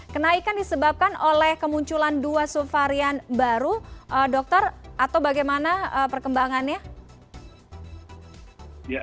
kenaikan disebabkan oleh kemunculan dua subvarian baru dokter atau bagaimana perkembangannya